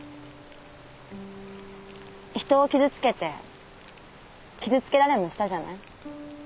人を傷つけて傷つけられもしたじゃない？